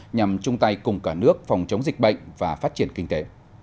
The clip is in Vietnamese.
nhằm chung tay cùng cả nước phòng chống dịch bệnh và phát triển kinh tế